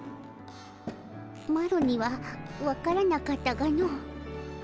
マロには分からなかったがの。